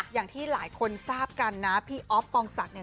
อย่างที่หลายคนทราบกันนะพี่อ๊อฟปองศักดิ์เนี่ย